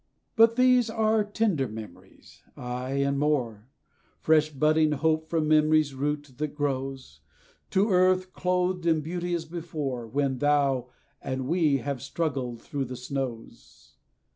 But these are tender memories ay, and more Fresh budding hope from memory's root that grows, To see earth clothed in beauty as before, When thou and we have struggled through the snows.